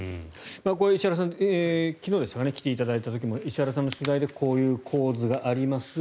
石原さんに昨日、来ていただいた時も石原さんの取材でこういう構図があります